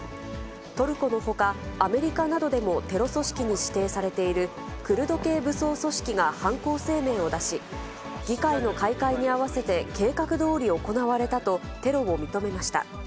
トルコのほか、アメリカなどでもテロ組織に指定されている、クルド系武装組織が犯行声明を出し、議会の開会に合わせて計画どおり行われたと、テロを認めました。